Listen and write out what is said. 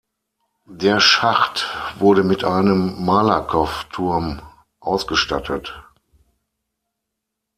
Der Schacht wurde mit einem Malakowturm ausgestattet.